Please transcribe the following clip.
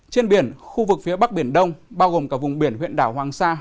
trên biển khu vực phía bắc biển đông bao gồm cả vùng biển huyện đảo hoàng sa